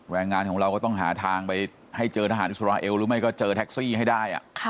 แรงงานของเราก็ต้องหาทางไปให้เจอทหารอิสราเอลหรือไม่ก็เจอแท็กซี่ให้ได้